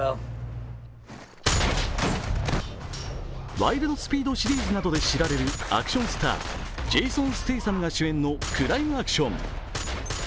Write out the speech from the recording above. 「ワイルド・スピード」シリーズなどで知られるアクションスター、ジェイソン・ステイサムが主演のクライムアクション。